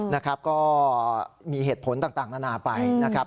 นะครับก็มีเหตุผลต่างนานาไปนะครับ